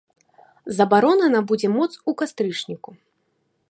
Забарона набудзе моц у кастрычніку.